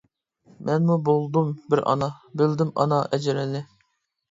مەنمۇ بولدۇم بىر ئانا، بىلدىم ئانا ئەجرىنى.